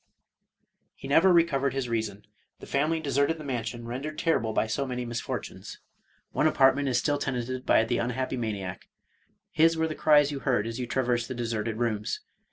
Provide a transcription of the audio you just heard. He never recovered his reason ; the family deserted the man sion rendered terrible by so many misfortunes. One apart ment is still tenanted by the unhappy maniac ; his were the cries you heard as you traversed the deserted rooms.